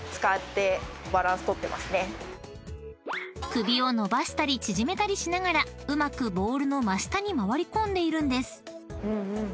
［首を伸ばしたり縮めたりしながらうまくボールの真下に回り込んでいるんです］